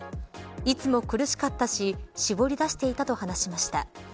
いつも苦しかったし絞り出していたと話しました。